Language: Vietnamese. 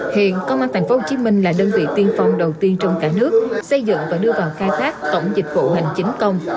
hiện công an tp hcm là đơn vị tiên phong đầu tiên trong cả nước xây dựng và đưa vào khai thác cổng dịch vụ hành chính công